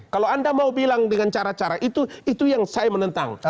kalau anda mau bilang dengan cara cara itu itu yang saya menentang